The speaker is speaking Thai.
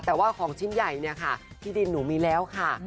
แต่ว่าของชิ้นใหญ่เนี่ยค่ะที่ดินหนูมีแล้วค่ะ